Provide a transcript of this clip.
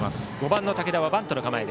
５番、武田はバントの構え。